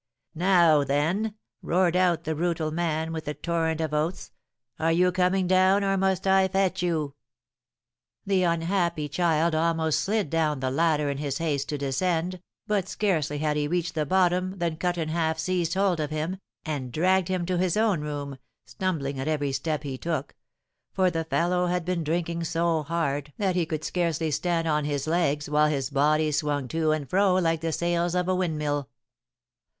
'Now, then!' roared out the brutal man, with a torrent of oaths, 'are you coming down, or must I fetch you?' The unhappy child almost slid down the ladder in his haste to descend, but scarcely had he reached the bottom than Cut in Half seized hold of him, and dragged him to his own room, stumbling at every step he took; for the fellow had been drinking so hard that he could scarcely stand on his legs, while his body swung to and fro like the sails of a windmill.